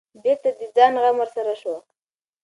بېرته د ځان غم ورسره شو.